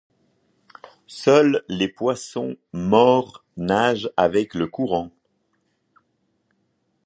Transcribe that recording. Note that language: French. seuls les poissons morts nagent avec le courant